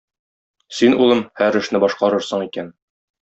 Син, улым, һәр эшне башкарасың икән.